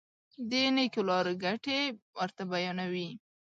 د نېکو لارو ګټې ورته بیانوي.